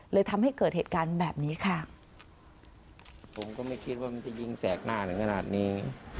ทำให้เกิดเหตุการณ์แบบนี้ค่ะผมก็ไม่คิดว่ามันจะยิงแสกหน้าถึงขนาดนี้